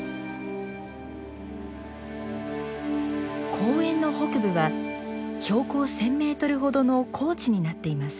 公園の北部は標高１，０００メートルほどの高地になっています。